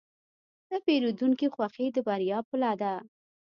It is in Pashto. د پیرودونکي خوښي د بریا پله ده.